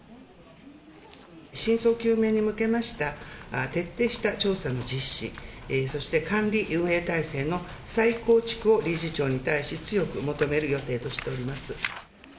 真相究明に向けました徹底した調査の実施、そして管理運営体制の再構築を理事長に対し、強く求める予定としております。